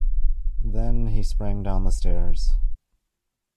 Then he sprang down the stairs.